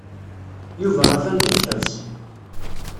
Yuba atan deg lḥebs.